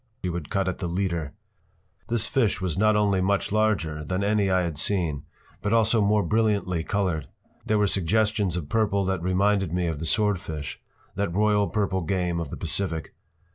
he would cut at the leader. This fish was not only much larger than any I had seen, but also more brilliantly colored. There were suggestions of purple that reminded me of the swordfish—that royal purple game of the Pacific.